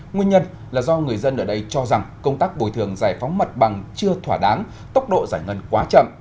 nguyên nhân là do người dân ở đây cho rằng công tác bồi thường giải phóng mặt bằng chưa thỏa đáng tốc độ giải ngân quá chậm